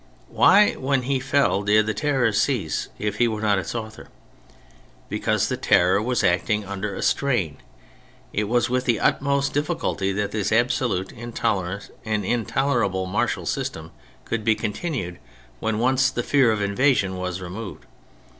Why, when he fell, did the Terror cease if he were not its author ? Because the Terror was acting under a strain; it was with the utmost difficulty that this absolute, intolerant and intolerable martial system could be continued when once the fear of invasion was removed.